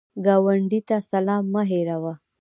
ګاونډي ته سلام مه هېروه